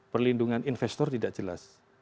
perlindungan investor tidak jelas